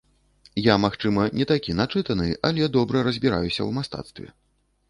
Я магчыма, не такі начытаны, але добра разбіраюся ў мастацтве.